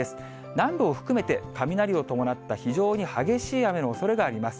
南部を含めて雷を伴った非常に激しい雨のおそれがあります。